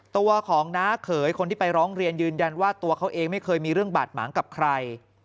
ตัวของน้าเขยคนที่ไปร้องเรียนยืนยันว่าตัวเขาเองไม่เคยมีเรื่องบาดหมางกับใคร